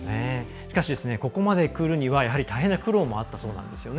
しかし、ここまでくるにはやはり大変な苦労もあったそうなんですよね。